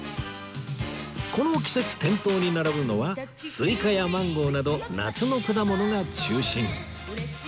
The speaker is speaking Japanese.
この季節店頭に並ぶのはスイカやマンゴーなど夏の果物が中心